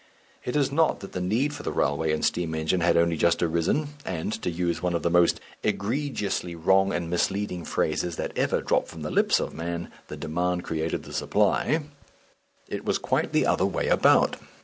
It is not that the need for the railway and steam engine had only just arisen, and to use one of the most egregiously wrong and misleading phrases that ever dropped from the lips of man the demand created the supply; it was quite the other way about.